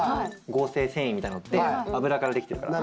合成繊維みたいなものって油から出来ているから。